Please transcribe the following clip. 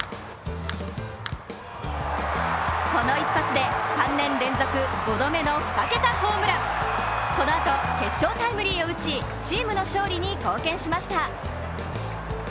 この一発で３年連続５度目の２桁ホームラン、このあと決勝タイムリーを打ちチームの勝利に貢献しました。